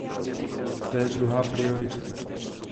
To je druhá priorita.